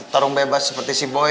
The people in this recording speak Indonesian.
tarung bebas seperti si boi